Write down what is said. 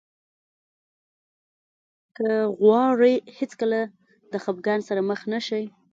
که غواړئ هېڅکله د خفګان سره مخ نه شئ.